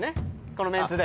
このメンツで。